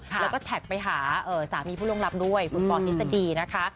แล้วก็แท็กไปหาสามีผู้โรงรับด้วยคุณปอล์นิสดีนะคะ